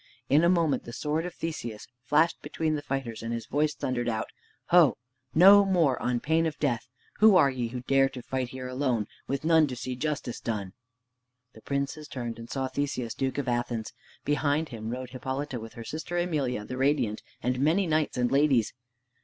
In a moment the sword of Theseus flashed between the fighters, and his voice thundered out, "Ho! no more, on pain of death. Who are ye who dare to fight here alone, with none to see justice done?" The princes turned and saw Theseus, Duke of Athens. Behind him rode Hippolyta with her sister, Emelia the Radiant, and many knights and ladies.